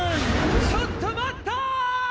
ちょっと待ったーーー！！